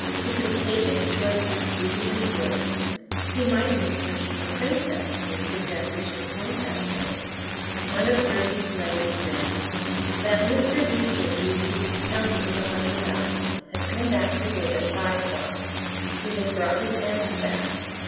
He could take his choice of beauty and worth; he might even purchase a princess did his ambition point that way. One of Gertie's letters ran: That Mr Beecham you used to tell me so much about has come back to live at Five Bob. He has brought his aunts back.